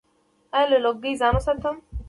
ایا له لوګي ځان وساتم؟